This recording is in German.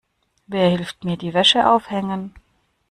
Wer hilft mir die Wäsche aufhängen?